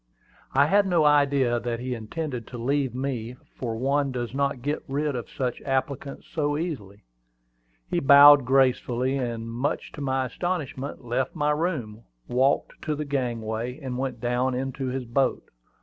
I had no idea that he intended to leave me, for one does not get rid of such applicants so easily. He bowed gracefully, and much to my astonishment, left my room, walked to the gangway, and went down into his boat.